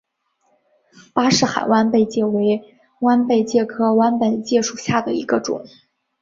巴士海弯贝介为弯贝介科弯贝介属下的一个种。